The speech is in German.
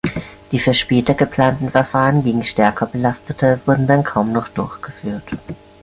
Die für später geplanten Verfahren gegen stärker Belastete wurden dann kaum noch durchgeführt.